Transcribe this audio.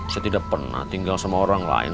saya tidak pernah tinggal sama orang lain